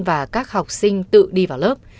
và các học sinh tự đi vào lớp